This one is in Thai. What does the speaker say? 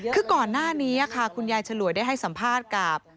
คือก่อนหน้านี้ค่ะคุณยายฉลวยได้ให้สัมภาษณ์กับ